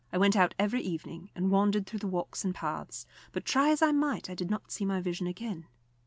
I went out every evening and wandered through the walks and paths; but, try as I might, I did not see my vision again.